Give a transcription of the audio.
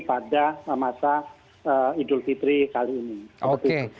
pada masa idul fitri kali ini